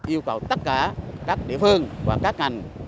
yêu cầu tất cả các địa phương và các ngành